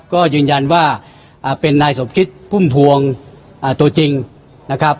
ก็ยืนยันว่าเป็นนายสมคิดพุ่มพวงตัวจริงนะครับ